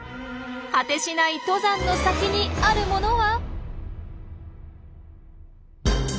果てしない登山の先にあるものは？